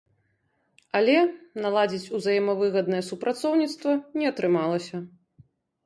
Але наладзіць узаемавыгаднае супрацоўніцтва не атрымалася.